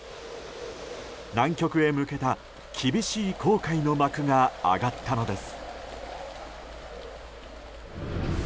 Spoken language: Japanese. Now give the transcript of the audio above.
南極へ向けた厳しい航海の幕が上がったのです。